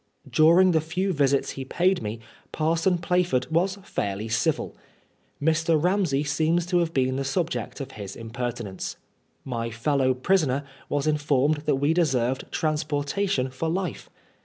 During the few visits he paid me, Parson Plaford was fairly civil. Mr. Ramsey seems to have been the subject of his impertinence. My fellow prisoner was informed that we deserved transportation for life.